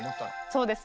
そうですね。